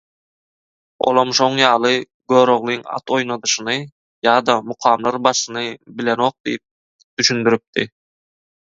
Olam şoň ýaly «Göroglyň at oýnadyşyny» ýada «Mukamlar başyny» bilenok» diýip düşündiripdi.